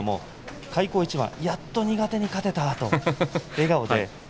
開口一番、やっと苦手に勝てた、と笑顔で。